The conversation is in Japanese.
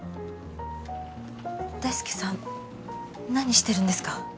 大介さん何してるんですか？